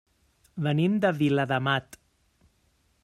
Venim de Viladamat.